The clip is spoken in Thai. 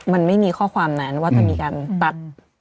มันไม่มีข้อความนั้นว่าจะมีการตัด